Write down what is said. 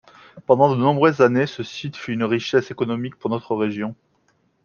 Pendant de nombreuses années, ce site fut une richesse économique pour notre région.